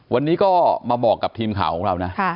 วันนี้ก็มาบอกกับทีมข่าวของเรานะ